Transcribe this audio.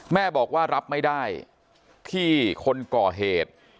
แม่บอกว่ารับไม่ได้ที่คนก่อเหตุ